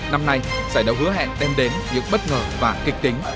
năm nay giải đấu hứa hẹn đem đến những bất ngờ và kịch tính